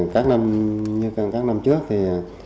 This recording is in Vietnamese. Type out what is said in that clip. các năm trước thì